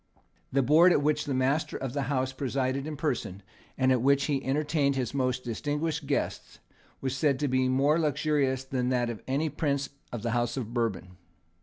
The board at which the master of the house presided in person, and at which he entertained his most distinguished guests, was said to be more luxurious than that of any prince of the House of Bourbon.